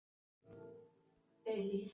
Obtuvo su doctorado por la Universidad Cornell.